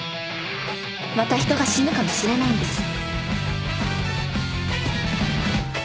また人が死ぬかもしれないんです。